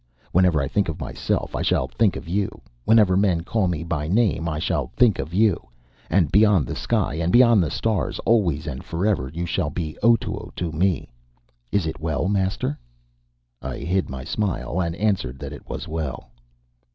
Whenever I think of myself, I shall think of you. Whenever men call me by name, I shall think of you. And beyond the sky and beyond the stars, always and forever, you shall be Otoo to me. Is it well, master?" I hid my smile, and answered that it was well.